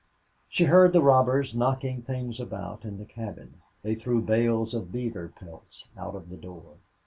She heard the robbers knocking things about in the cabin. They threw bales of beaver pelts out of the door.